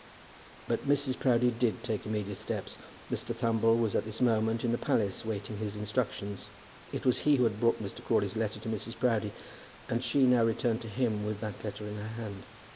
But Mrs. Proudie did take immediate steps. Mr. Thumble was at this moment in the palace waiting for instructions. It was he who had brought Mr. Crawley's letter to Mrs. Proudie, and she now returned to him with that letter in her hand.